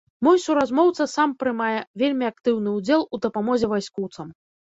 Мой суразмоўца сам прымае вельмі актыўны ўдзел у дапамозе вайскоўцам.